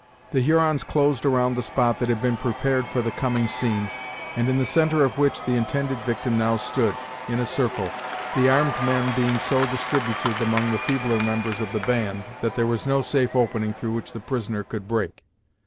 The Hurons closed around the spot that had been prepared for the coming scene, and in the centre of which the intended victim now stood, in a circle, the armed men being so distributed among the feebler members of the band, that there was no safe opening through which the prisoner could break.